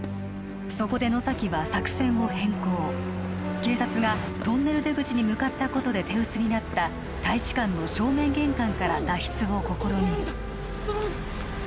そこで野崎は作戦を変更警察がトンネル出口に向かったことで手薄になった大使館の正面玄関から脱出を試みるドラムさん！